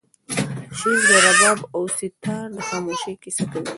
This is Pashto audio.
شعر د رباب او سیتار د خاموشۍ کیسه کوي